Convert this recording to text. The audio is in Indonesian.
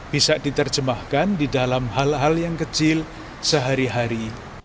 bisa diterjemahkan di dalam hal hal yang kecil sehari hari